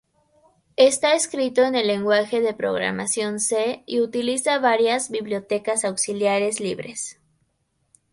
Está escrito en el lenguaje de programación C y utiliza varias bibliotecas auxiliares libres.